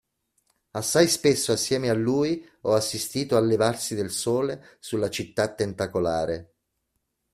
Assai spesso assieme a lui ho assistito al levarsi del sole sulla città tentacolare.